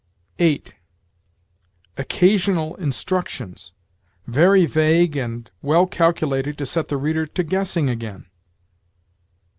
8. "Occasional instructions"! Very vague, and well calculated to set the reader to guessing again.